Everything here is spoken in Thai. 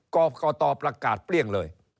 กรกตประกาศเปรี้ยงเลย